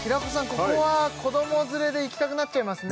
ここは子ども連れで行きたくなっちゃいますね